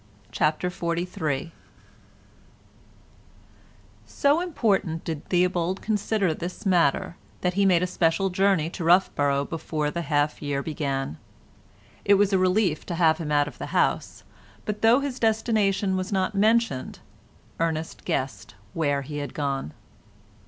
CHAPTER XLIII So important did Theobald consider this matter that he made a special journey to Roughborough before the half year began. It was a relief to have him out of the house, but though his destination was not mentioned, Ernest guessed where he had gone.